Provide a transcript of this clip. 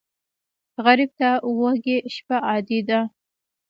غریب ته وږې شپه عادي ده